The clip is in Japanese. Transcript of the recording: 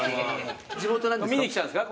見に来たんですか？